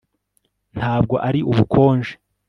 Ntabwo ari ubukonje